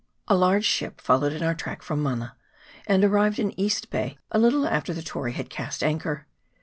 A large ship followed in our track from Mana, and arrived in East Bay a little after the Tory had cast anchor.